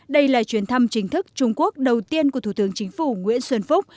đây là chuyến thăm chính thức trung quốc đầu tiên của thủ tướng chính phủ nguyễn xuân phúc